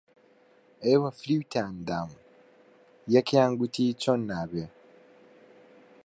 ئێوە فریوتان داوم یەکیان گوتی: چۆن نابێ؟